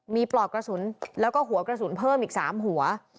มีปลอกกระสุนแล้วก็หัวกระสุนเพิ่มอีก๓หัว